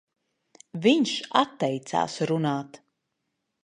Viņš atteicās runāt.